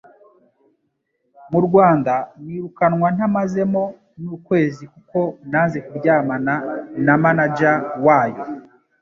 mu Rwanda nirukanwa ntamazemo n'ukwezi kuko nanze kuryamana na manager wayo